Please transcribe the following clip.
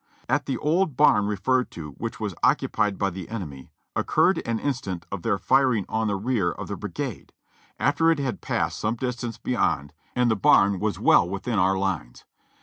"At the old barn referred to, which was occupied by the enemy, occurred an instance of their firing on the rear of the brigade, after it had passed some distance beyond and the barn was well 392 JOHNNY REB AND BILLY YANK within our lines.